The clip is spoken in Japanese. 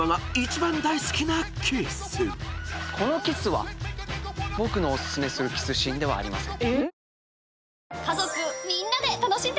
このキスは僕のお薦めするキスシーンではありません。